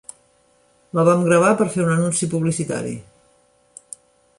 La vam gravar per fer un anunci publicitari.